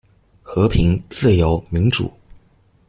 和平、自由、民主